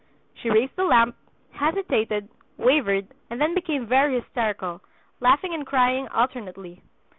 She raised the lamp, hesitated, wavered, and then became very hysterical, laughing and crying alternately.